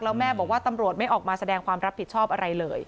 แล้วแม่บอกว่าตำรวจไม่ออกมาแสดงความรับผิดชอบอะไรเลย